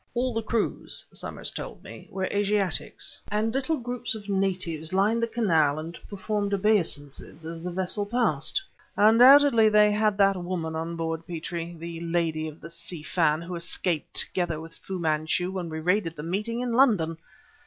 "All the crews, Summers told me, were Asiatics, and little groups of natives lined the Canal and performed obeisances as the vessel passed. Undoubtedly they had that woman on board, Petrie, the Lady of the Si Fan, who escaped, together with Fu Manchu, when we raided the meeting in London!